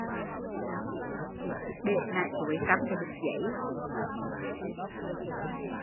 Để nài chuối trong bịch giấy